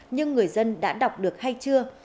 nhưng người dân đã đọc được hay chưa